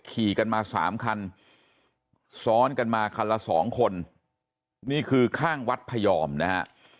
ขี่กันมาสามคันซ้อนกันมาคันละสองคนนี่คือข้างวัดพยอมนะฮะ